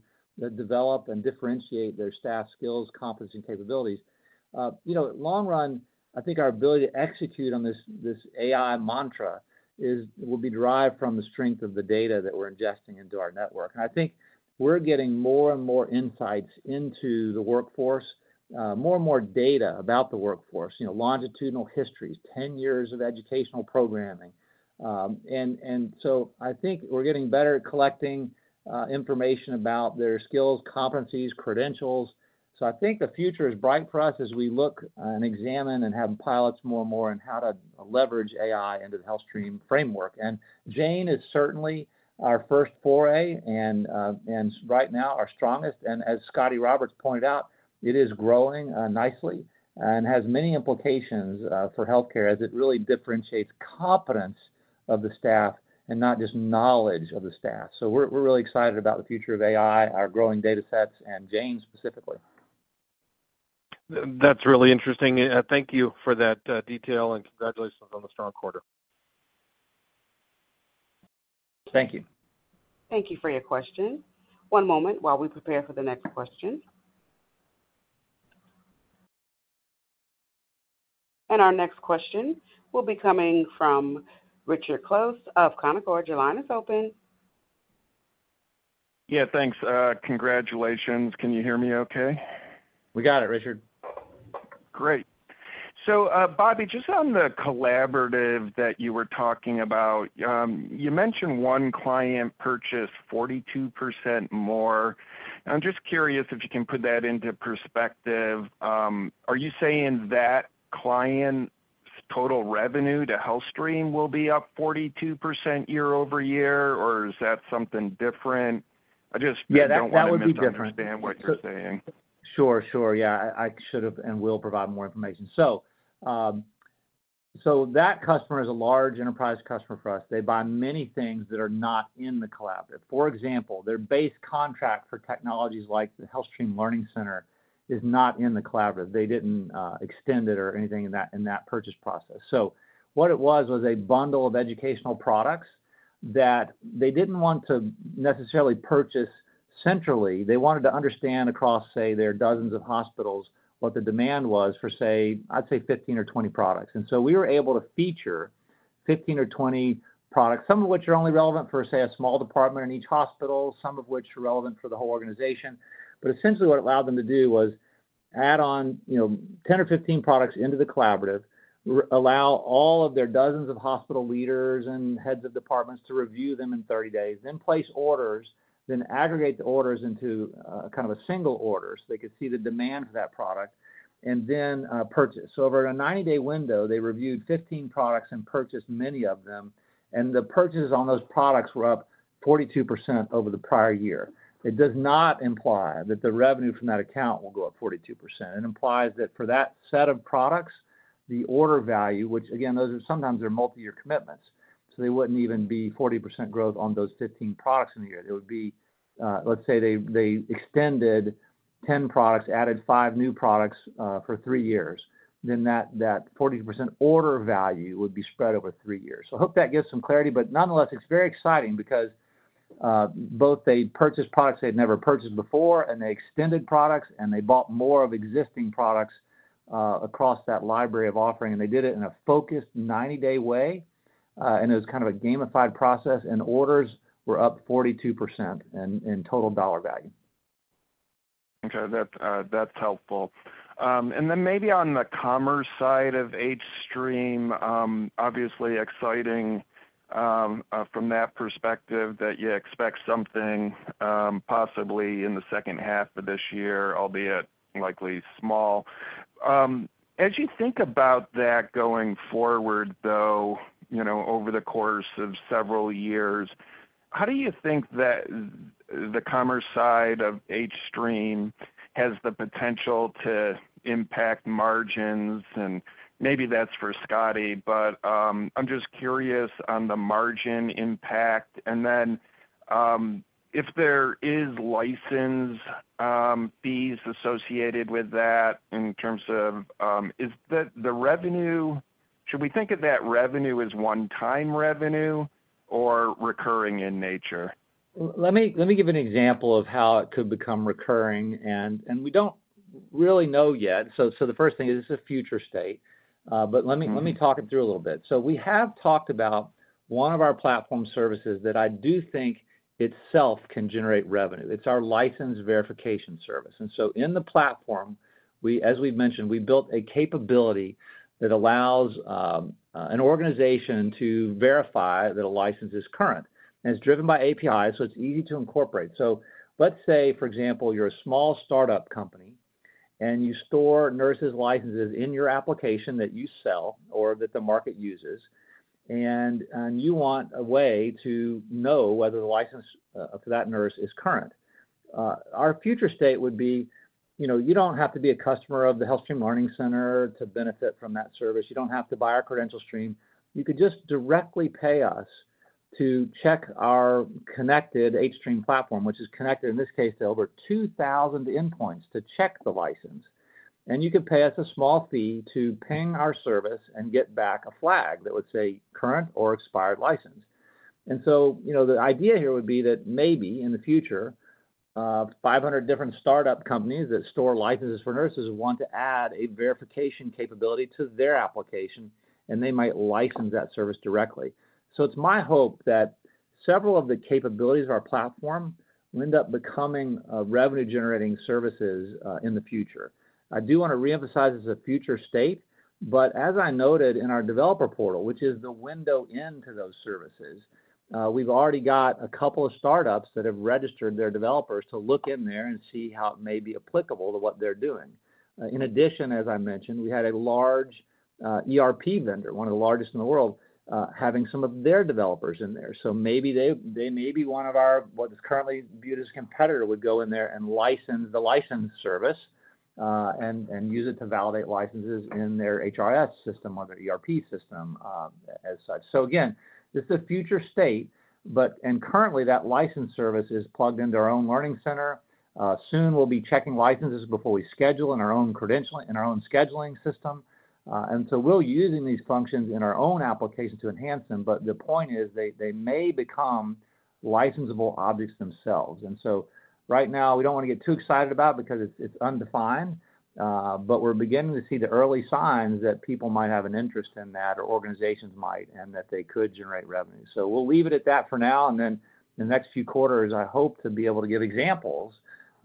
develop and differentiate their staff skills, competency, and capabilities. You know, long run, I think our ability to execute on this AI mantra is, will be derived from the strength of the data that we're ingesting into our network. I think we're getting more and more insights into the workforce, more and more data about the workforce, you know, longitudinal histories, 10 years of educational programming. I think we're getting better at collecting information about their skills, competencies, credentials. I think the future is bright for us as we look and examine and have pilots more and more on how to leverage AI into the HealthStream framework. Jane is certainly our first foray, and right now, our strongest. As Scotty Roberts pointed out, it is growing nicely and has many implications for healthcare as it really differentiates competence of the staff and not just knowledge of the staff. We're really excited about the future of AI, our growing data sets, and Jane specifically. That's really interesting. Thank you for that detail, and congratulations on the strong quarter. Thank you. Thank you for your question. One moment while we prepare for the next question. Our next question will be coming from Richard Close of Canaccord. Your line is open. Yeah, thanks. Congratulations. Can you hear me okay? We got it, Richard. Great. Bobby, just on the collaborative that you were talking about, you mentioned one client purchased 42% more. I'm just curious if you can put that into perspective. Are you saying that client's total revenue to HealthStream will be up 42% year-over-year, or is that something different? Yeah, that would be different. Don't want to misunderstand what you're saying. Sure, sure. Yeah, I should have and will provide more information. That customer is a large enterprise customer for us. They buy many things that are not in the collaborative. For example, their base contract for technologies like the HealthStream Learning Center is not in the collaborative. They didn't extend it or anything in that purchase process. What it was a bundle of educational products that they didn't want to necessarily purchase centrally. They wanted to understand across, say, their dozens of hospitals, what the demand was for, say, I'd say, 15 or 20 products. We were able to feature 15 or 20 products, some of which are only relevant for, say, a small department in each hospital, some of which are relevant for the whole organization. Essentially, what it allowed them to do was add on, you know, 10 or 15 products into the collaborative, allow all of their dozens of hospital leaders and heads of departments to review them in 30 days, then place orders, then aggregate the orders into, kind of a single order, so they could see the demand for that product, and then, purchase. Over a 90-day window, they reviewed 15 products and purchased many of them, and the purchases on those products were up 42% over the prior year. It does not imply that the revenue from that account will go up 42%. It implies that for that set of products, the order value, which again, those are sometimes are multiyear commitments, so they wouldn't even be 40% growth on those 15 products in a year. It would be, let's say they extended 10 products, added 5 new products, for 3 years, then that 40% order value would be spread over 3 years. I hope that gives some clarity, but nonetheless, it's very exciting because both they purchased products they'd never purchased before, and they extended products, and they bought more of existing products, across that library of offering. They did it in a focused 90-day way, and it was kind of a gamified process, and orders were up 42% in total dollar value. Okay, that's helpful. Then maybe on the commerce side of HealthStream, obviously exciting, from that perspective that you expect something possibly in the second half of this year, albeit likely small. As you think about that going forward, though, you know, over the course of several years, how do you think that the commerce side of HealthStream has the potential to impact margins? Maybe that's for Scotty, but I'm just curious on the margin impact. Then, if there is license fees associated with that in terms of, is the revenue, should we think of that revenue as one-time revenue or recurring in nature? Let me give an example of how it could become recurring, and we don't really know yet. The first thing is, it's a future state, but Mm-hmm.... let me talk it through a little bit. We have talked about one of our platform services that I do think itself can generate revenue. It's our license verification service. In the platform, we, as we've mentioned, we built a capability that allows an organization to verify that a license is current, and it's driven by API, so it's easy to incorporate. Let's say, for example, you're a small startup company, and you store nurses' licenses in your application that you sell or that the market uses, and you want a way to know whether the license of that nurse is current. Our future state would be, you know, you don't have to be a customer of the HealthStream Learning Center to benefit from that service. You don't have to buy our CredentialStream. You could just directly pay us to check our connected HealthStream Platform, which is connected, in this case, to over 2,000 endpoints to check the license. You could pay us a small fee to ping our service and get back a flag that would say, "Current or expired license." You know, the idea here would be that maybe in the future, 500 different startup companies that store licenses for nurses want to add a verification capability to their application, and they might license that service directly. It's my hope that several of the capabilities of our platform will end up becoming, revenue-generating services, in the future. I do want to reemphasize this is a future state, but as I noted in our developer portal, which is the window into those services, we've already got a couple of startups that have registered their developers to look in there and see how it may be applicable to what they're doing. In addition, as I mentioned, we had a large ERP vendor, one of the largest in the world, having some of their developers in there. Maybe they may be one of our, what is currently viewed as a competitor, would go in there and license the license service, and use it to validate licenses in their HRS system or their ERP system, as such. Again, this is a future state, and currently, that license service is plugged into our own learning center. Soon, we'll be checking licenses before we schedule in our own scheduling system. We're using these functions in our own applications to enhance them, but the point is they may become licensable objects themselves. Right now, we don't want to get too excited about it because it's undefined, but we're beginning to see the early signs that people might have an interest in that, or organizations might, and that they could generate revenue. We'll leave it at that for now, and then the next few quarters, I hope to be able to give examples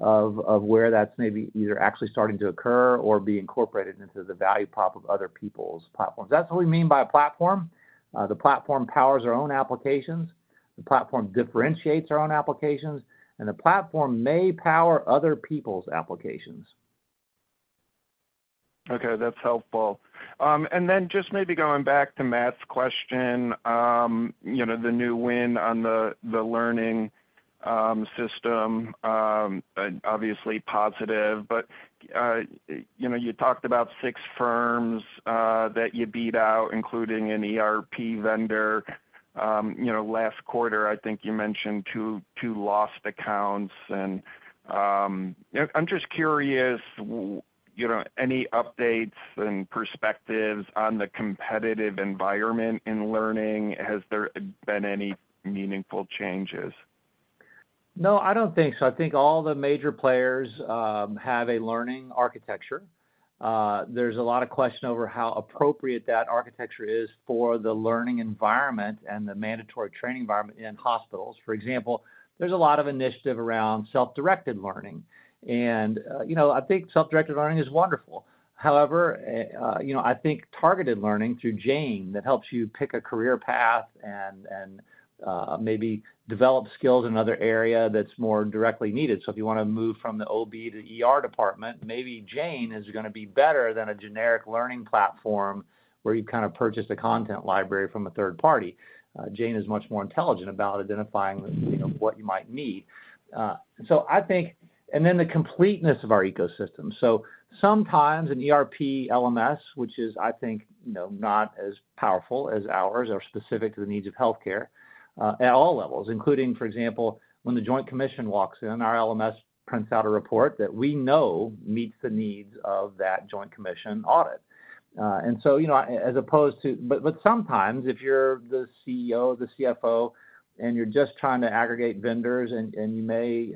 of where that's maybe either actually starting to occur or be incorporated into the value prop of other people's platforms. That's what we mean by a platform. The platform powers our own applications, the platform differentiates our own applications, and the platform may power other people's applications. Okay, that's helpful. Just maybe going back to Matt's question, you know, the new win on the learning system, obviously positive, but, you know, you talked about 6 firms that you beat out, including an ERP vendor. You know, last quarter, I think you mentioned 2 lost accounts, and, I'm just curious, you know, any updates and perspectives on the competitive environment in learning? Has there been any meaningful changes? No, I don't think so. I think all the major players have a learning architecture. There's a lot of question over how appropriate that architecture is for the learning environment and the mandatory training environment in hospitals. For example, there's a lot of initiative around self-directed learning. You know, I think self-directed learning is wonderful. You know, I think targeted learning through Jane, that helps you pick a career path and maybe develop skills in another area that's more directly needed. If you want to move from the OB to ER department, maybe Jane is going to be better than a generic learning platform, where you kind of purchased a content library from a third party. Jane is much more intelligent about identifying, you know, what you might need. Then the completeness of our ecosystem. Sometimes an ERP LMS, which is, I think, you know, not as powerful as ours or specific to the needs of healthcare, at all levels, including, for example, when the Joint Commission walks in, our LMS prints out a report that we know meets the needs of that Joint Commission audit. You know, sometimes if you're the CEO, the CFO, and you're just trying to aggregate vendors, and you may,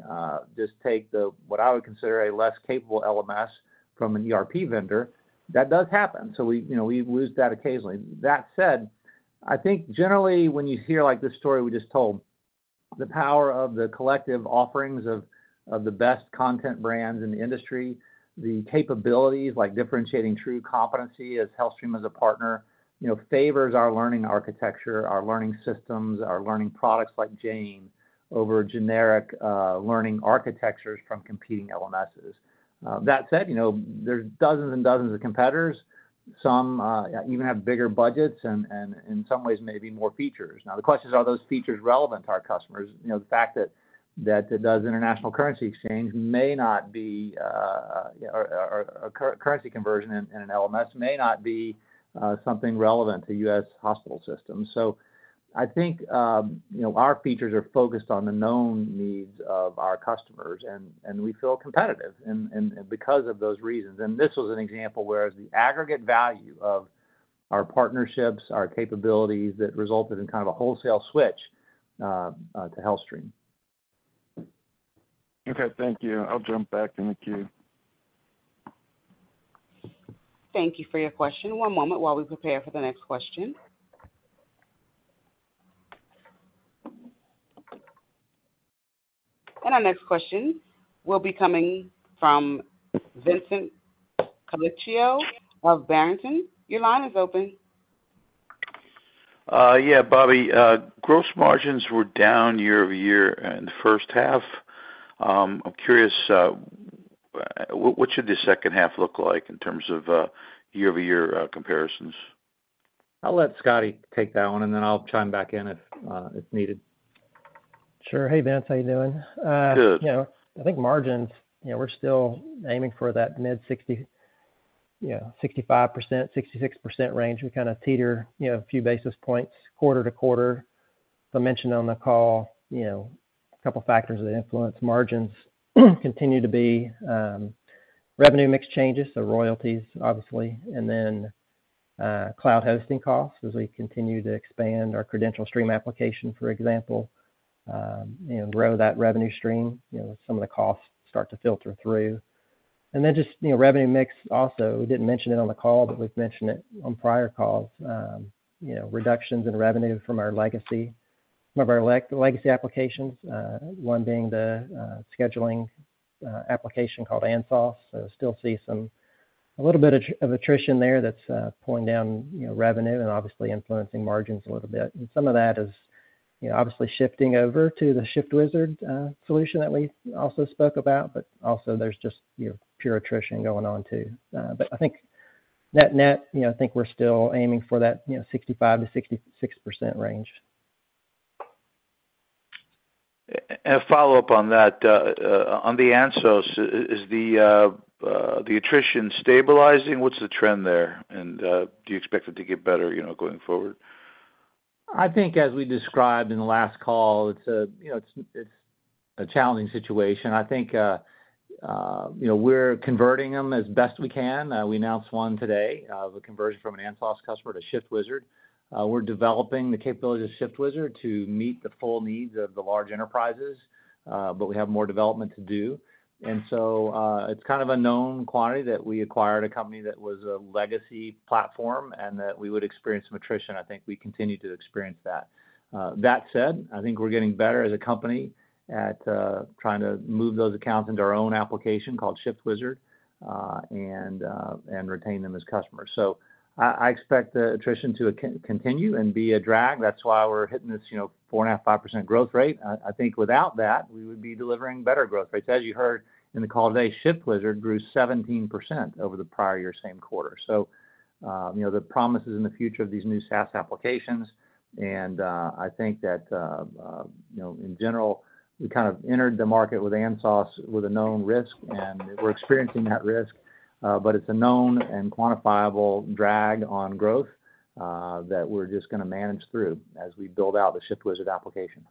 just take the, what I would consider a less capable LMS from an ERP vendor, that does happen. We, you know, we lose that occasionally. That said, I think generally when you hear, like, this story we just told, the power of the collective offerings of the best content brands in the industry, the capabilities like differentiating true competency as HealthStream as a partner, you know, favors our learning architecture, our learning systems, our learning products like Jane, over generic learning architectures from competing LMSs. That said, you know, there's dozens and dozens of competitors. Some even have bigger budgets and in some ways, maybe more features. Now, the question is, are those features relevant to our customers? You know, the fact that does international currency exchange may not be, or a currency conversion in an LMS, may not be something relevant to U.S. hospital systems. I think, you know, our features are focused on the known needs of our customers, and we feel competitive and because of those reasons. This was an example where the aggregate value of our partnerships, our capabilities, that resulted in kind of a wholesale switch to HealthStream. Okay, thank you. I'll jump back in the queue. Thank you for your question. One moment while we prepare for the next question. Our next question will be coming from Vincent Colicchio of Barrington. Your line is open. Yeah, Bobby, gross margins were down year-over-year in the first half. I'm curious, what should the second half look like in terms of year-over-year comparisons? I'll let Scotty take that one, and then I'll chime back in if it's needed. Sure. Hey, Vince, how you doing? Good. You know, I think margins, you know, we're still aiming for that mid 60%, 65%-66% range. We kind of teeter, you know, a few basis points quarter to quarter. I mentioned on the call, you know, a couple factors that influence margins, continue to be revenue mix changes, so royalties, obviously, and then cloud hosting costs, as we continue to expand our credential stream application, for example, and grow that revenue stream, you know, some of the costs start to filter through. Just, you know, revenue mix also, we didn't mention it on the call, but we've mentioned it on prior calls. You know, reductions in revenue from our legacy applications, one being the scheduling application called ANSOS. still see some, a little bit of attrition there that's pulling down, you know, revenue and obviously influencing margins a little bit. some of that is, you know, obviously shifting over to the Shift Wizard solution that we also spoke about, also there's just, you know, pure attrition going on, too. I think net-net, you know, I think we're still aiming for that, you know, 65%-66% range. A follow-up on that. On the ANSOS, is the attrition stabilizing? What's the trend there? Do you expect it to get better, you know, going forward? I think as we described in the last call, it's a, you know, it's a challenging situation. I think, you know, we're converting them as best we can. We announced one today, the conversion from an ANSOS customer to Shift Wizard. We're developing the capability of Shift Wizard to meet the full needs of the large enterprises, we have more development to do. It's kind of a known quantity that we acquired a company that was a legacy platform and that we would experience some attrition. I think we continue to experience that. That said, I think we're getting better as a company at trying to move those accounts into our own application called Shift Wizard, and retain them as customers. I expect the attrition to continue and be a drag. That's why we're hitting this, you know, 4.5%-5% growth rate. I think without that, we would be delivering better growth rates. As you heard in the call today, Shift Wizard grew 17% over the prior year, same quarter. You know, the promises in the future of these new SaaS applications, and I think that, you know, in general, we kind of entered the market with ANSOS with a known risk, and we're experiencing that risk, but it's a known and quantifiable drag on growth that we're just gonna manage through as we build out the Shift Wizard application.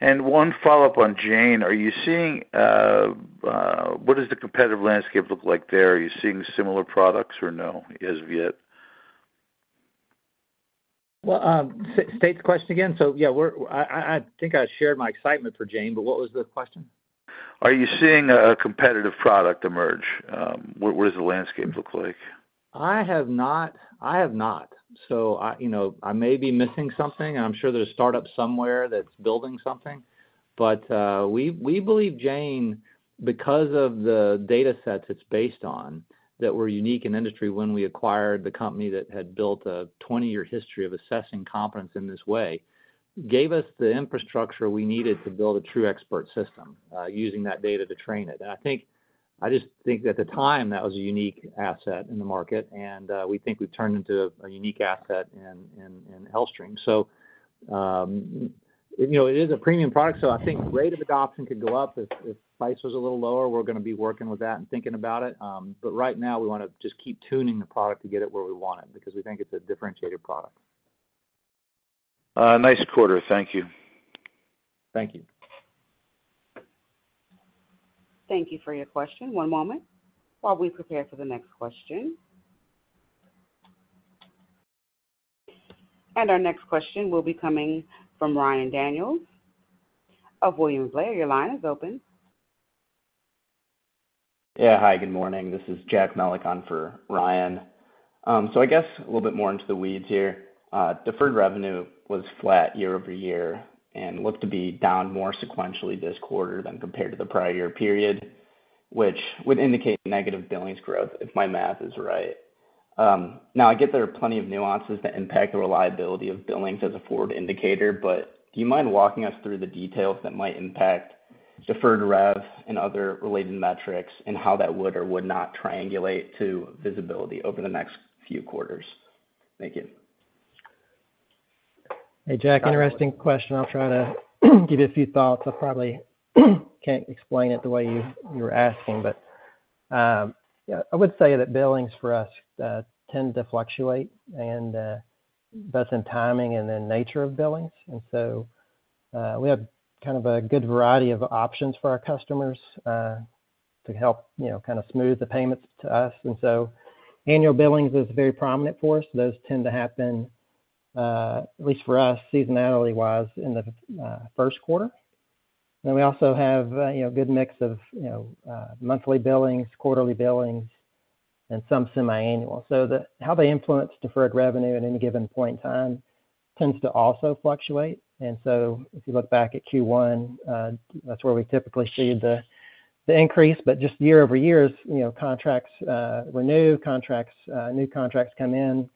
One follow-up on Jane. Are you seeing, what does the competitive landscape look like there? Are you seeing similar products or no, as of yet? State the question again. Yeah, I think I shared my excitement for Jane, but what was the question? Are you seeing a competitive product emerge? What does the landscape look like? I have not. I have not. I, you know, I may be missing something. I'm sure there's a startup somewhere that's building something. we believe Jane, because of the data sets it's based on, that were unique in industry when we acquired the company that had built a 20-year history of assessing competence in this way, gave us the infrastructure we needed to build a true expert system, using that data to train it. I just think at the time, that was a unique asset in the market, and we think we've turned into a unique asset in HealthStream. you know, it is a premium product, so I think rate of adoption could go up if price was a little lower. We're gonna be working with that and thinking about it. Right now, we want to just keep tuning the product to get it where we want it, because we think it's a differentiated product. Nice quarter. Thank you. Thank you. Thank you for your question. One moment while we prepare for the next question. Our next question will be coming from Ryan Daniels of William Blair. Your line is open. Hi, good morning. This is Jack Melick for Ryan. I guess a little bit more into the weeds here. Deferred revenue was flat year-over-year and looked to be down more sequentially this quarter than compared to the prior year period, which would indicate negative billings growth, if my math is right. I get there are plenty of nuances that impact the reliability of billings as a forward indicator, but do you mind walking us through the details that might impact deferred rev and other related metrics, and how that would or would not triangulate to visibility over the next few quarters? Thank you. Hey, Jack, interesting question. I'll try to give you a few thoughts. I probably can't explain it the way you're asking, but, yeah, I would say that billings for us, tend to fluctuate, and, that's in timing and the nature of billings. we have kind of a good variety of options for our customers, to help, you know, kind of smooth the payments to us. annual billings is very prominent for us. Those tend to happen, at least for us, seasonality-wise, in the Q1. we also have, you know, a good mix of, you know, monthly billings, quarterly billings, and some semiannual. how they influence deferred revenue at any given point in time tends to also fluctuate. If you look back at Q1, that's where we typically see the increase. Just year-over-year, you know, contracts renew, new contracts come in,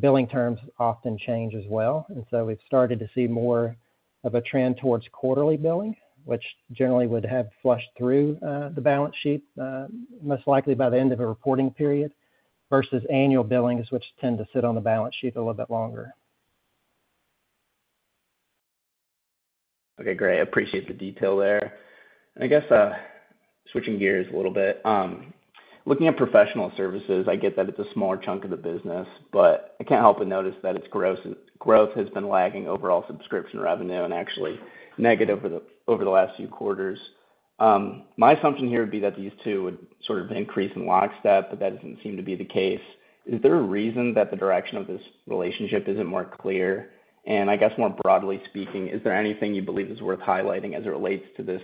billing terms often change as well. We've started to see more of a trend towards quarterly billing, which generally would have flushed through the balance sheet most likely by the end of a reporting period, versus annual billings, which tend to sit on the balance sheet a little bit longer. Okay, great. I appreciate the detail there. I guess, switching gears a little bit, looking at professional services, I get that it's a smaller chunk of the business, but I can't help but notice that its growth has been lagging overall subscription revenue and actually negative over the last few quarters. My assumption here would be that these two would sort of increase in lockstep, but that doesn't seem to be the case. Is there a reason that the direction of this relationship isn't more clear? I guess more broadly speaking, is there anything you believe is worth highlighting as it relates to this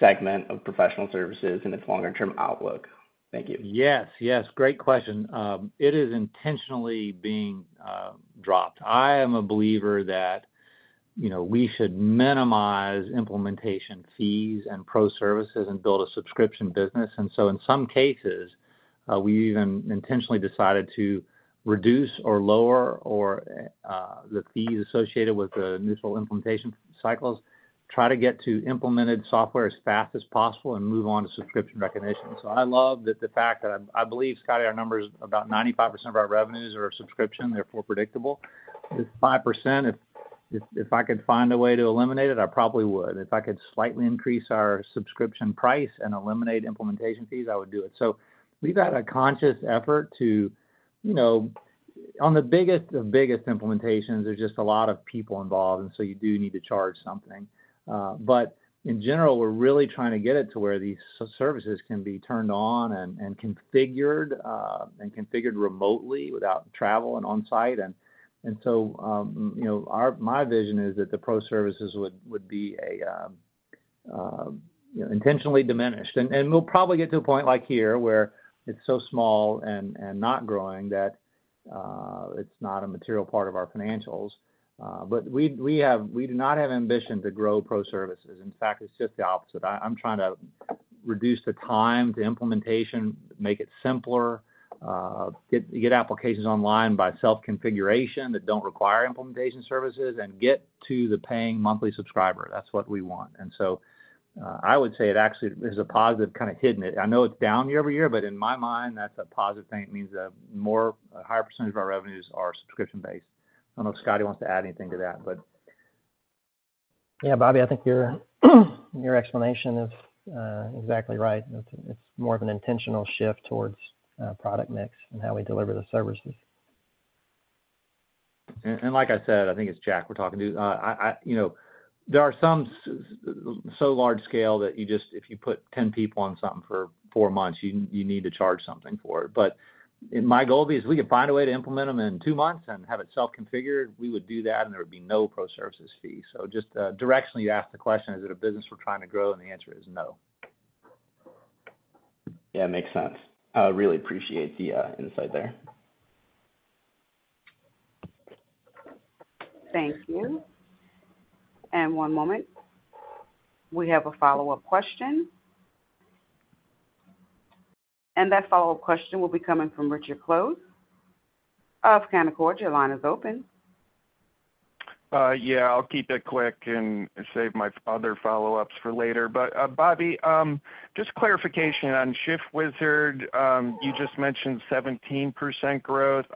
segment of professional services and its longer-term outlook? Thank you. Yes, yes, great question. It is intentionally being dropped. I am a believer that, you know, we should minimize implementation fees and pro services and build a subscription business. In some cases, we even intentionally decided to reduce or lower or the fees associated with the initial implementation cycles, try to get to implemented software as fast as possible and move on to subscription recognition. I love that the fact that I believe, Scotty, our number is about 95% of our revenues are subscription, therefore predictable. This 5%, if I could find a way to eliminate it, I probably would. If I could slightly increase our subscription price and eliminate implementation fees, I would do it. We've had a conscious effort to, you know, on the biggest implementations, there's just a lot of people involved, and so you do need to charge something. In general, we're really trying to get it to where these services can be turned on and configured remotely without travel and on-site. My vision is that the pro services would be a, you know, intentionally diminished. We'll probably get to a point like here, where it's so small and not growing that it's not a material part of our financials. We do not have ambition to grow pro services. In fact, it's just the opposite. I'm trying to reduce the time to implementation, make it simpler, get applications online by self-configuration that don't require implementation services and get to the paying monthly subscriber. That's what we want. I would say it actually is a positive kind of hidden it. I know it's down year-over-year, but in my mind, that's a positive thing. It means that a higher percentage of our revenues are subscription-based. I don't know if Scotty wants to add anything to that, but. Yeah, Bobby, I think your explanation is exactly right. It's more of an intentional shift towards product mix and how we deliver the services. Like I said, I think it's Jack, we're talking to. You know, there are some so large scale that you just, if you put 10 people on something for 4 months, you need to charge something for it. My goal is, if we can find a way to implement them in 2 months and have it self-configured, we would do that, and there would be no pro services fee. Just directionally, you asked the question, is it a business we're trying to grow? The answer is no. Yeah, makes sense. I really appreciate the insight there. Thank you. One moment. We have a follow-up question. That follow-up question will be coming from Richard Close of Canaccord. Your line is open. Yeah, I'll keep it quick and save my other follow-ups for later. Bobby, just clarification on ShiftWizard. You just mentioned 17% growth.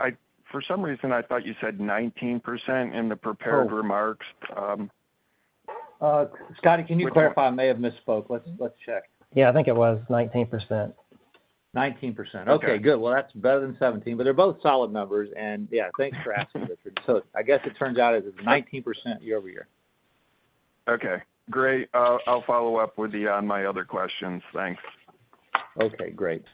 For some reason, I thought you said 19% in the prepared remarks. Scotty, can you clarify? I may have misspoke. Let's check. Yeah, I think it was 19%. 19%. Okay. Okay, good. Well, that's better than 17, but they're both solid numbers. Yeah, thanks for asking, Richard. I guess it turns out it's 19% year-over-year. Okay, great. I'll follow up with you on my other questions. Thanks. Okay, great.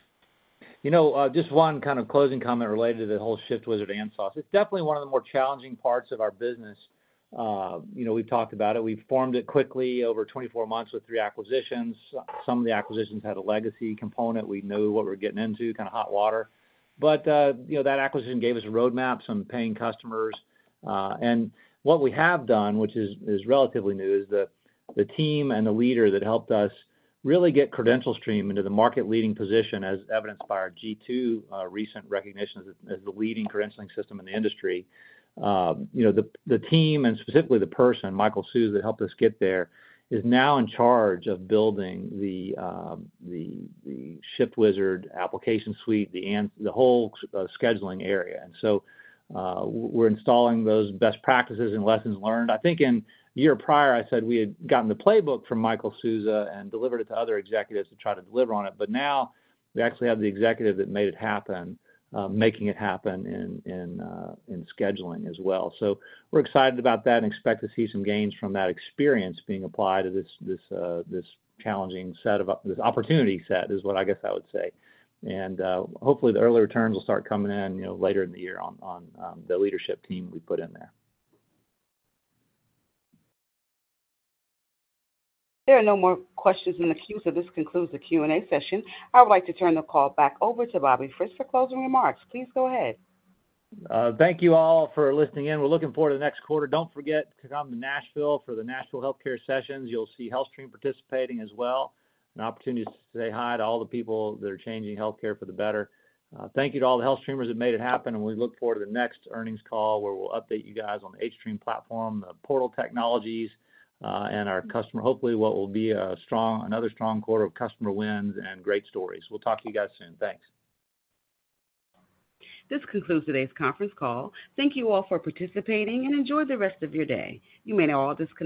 You know, just one kind of closing comment related to the whole ShiftWizard and Saas. It's definitely one of the more challenging parts of our business. You know, we've talked about it. We've formed it quickly over 24 months with 3 acquisitions. Some of the acquisitions had a legacy component. We knew what we were getting into, kind of hot water. You know, that acquisition gave us a roadmap, some paying customers. What we have done, which is relatively new, is the team and the leader that helped us really get CredentialStream into the market leading position, as evidenced by our G2, recent recognition as the leading credentialing system in the industry. You know, the team and specifically the person, Michael Souza, that helped us get there, is now in charge of building the ShiftWizard application suite, the whole scheduling area. We're installing those best practices and lessons learned. I think in year prior, I said we had gotten the playbook from Michael Souza and delivered it to other executives to try to deliver on it. Now we actually have the executive that made it happen, making it happen in scheduling as well. We're excited about that and expect to see some gains from that experience being applied to this challenging set of this opportunity set, is what I guess I would say. Hopefully, the early returns will start coming in, you know, later in the year on the leadership team we put in there. There are no more questions in the queue, so this concludes the Q&A session. I would like to turn the call back over to Bobby Frist for closing remarks. Please go ahead. Thank you all for listening in. We're looking forward to the next quarter. Don't forget to come to Nashville for the Nashville Healthcare Sessions. You'll see HealthStream participating as well. An opportunity to say hi to all the people that are changing healthcare for the better. Thank you to all the HealthStreamers that made it happen, and we look forward to the next earnings call, where we'll update you guys on the hStream platform, the portal technologies, and our customer. Hopefully, what will be another strong quarter of customer wins and great stories. We'll talk to you guys soon. Thanks. This concludes today's conference call. Thank you all for participating, and enjoy the rest of your day. You may now all disconnect.